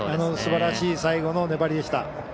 すばらしい最後の粘りでした。